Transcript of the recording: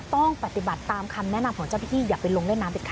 ต้องปฏิบัติตามคำแนะนำของเจ้าหน้าที่อย่าไปลงเล่นน้ำเด็ดค่ะ